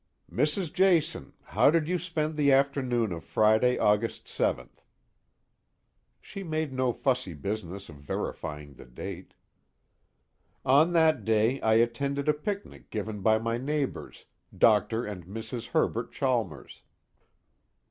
"Mrs. Jason, how did you spend the afternoon of Friday, August 7th?" She made no fussy business of verifying the date. "On that day I attended a picnic given by my neighbors, Dr. and Mrs. Herbert Chalmers."